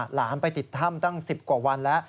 หลานไปติดถ้ำตั้ง๑๐กว่าวันแล้ว